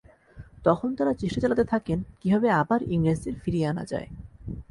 তখন তাঁরা চেষ্টা চালাতে থাকেন কীভাবে আবার ইংরেজদের ফিরিয়ে আনা যায়।